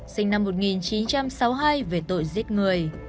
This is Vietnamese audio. sinh năm một nghìn chín trăm sáu mươi hai về tội giết người